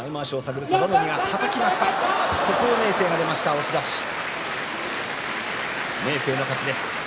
押し出し、明生の勝ちです。